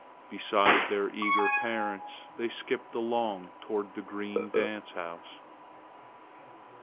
Beside their eager parents they skipped along toward the green dance house.